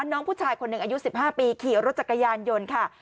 น้องผู้ชายคนหนึ่งอายุ๑๕ปีขี่รถจักรยานยนต์ค่ะ